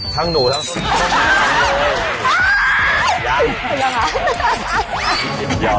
ทั้งหนูทั้งทั้งนั้น